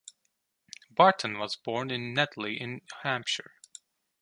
Barton was born in Netley in Hampshire.